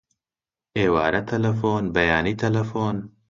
ئێوارە تەلەفۆن، بەیانی تەلەفۆن